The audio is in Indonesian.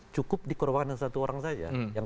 cukup dikorbankan satu orang saja yang